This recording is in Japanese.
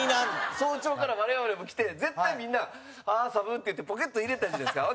早朝から我々も来て絶対、みんな「寒っ！」って言って、ポケット入れたいじゃないですか。